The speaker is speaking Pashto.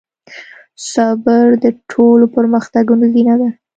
صبر د ټولو پرمختګونو زينه ده.